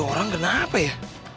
tuh orang kenapa ya